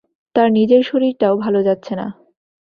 তাঁর নিজের শরীরটাও ভালো যাচ্ছে না।